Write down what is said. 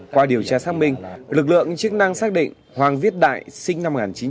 qua điều tra xác minh lực lượng chức năng xác định hoàng viết đại sinh năm một nghìn chín trăm tám mươi